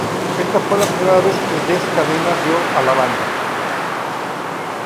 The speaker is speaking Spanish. Esta fue la primera vez que Dez Cadena vio a la banda.